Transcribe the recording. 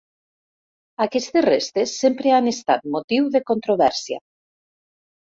Aquestes restes sempre han estat motiu de controvèrsia.